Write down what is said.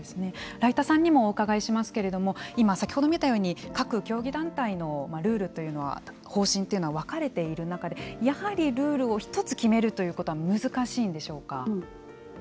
來田さんにもお伺いしますけれども今、先ほどのように各競技団体のルールというのは方針というのは分かれている中でやはりルールを１つ決めるということは難しいんでしょうか。